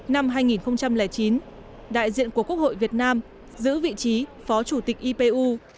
năm hai nghìn chín đại diện của quốc hội việt nam giữ vị trí phó chủ tịch ipu